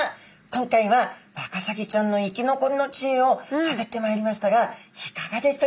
今回はワカサギちゃんの生き残りの知恵を探ってまいりましたがいかがでしたでしょうか？